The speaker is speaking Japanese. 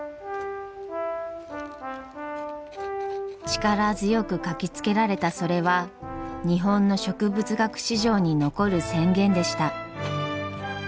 力強く書きつけられたそれは日本の植物学史上に残る宣言でした。